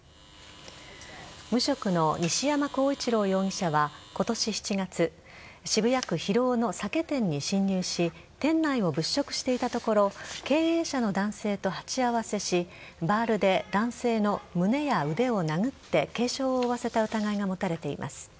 無職の西山幸一郎容疑者は今年７月渋谷区広尾の酒店に侵入し店内を物色していたところ経営者の男性と鉢合わせしバールで男性の胸や腕を殴って軽傷を負わせた疑いが持たれています。